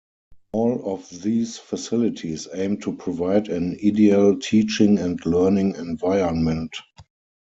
All of these facilities aim to provide an ideal teaching and learning environment.